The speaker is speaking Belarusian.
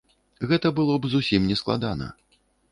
Гэта было б зусім нескладана.